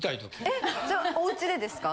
えっじゃあおうちでですか？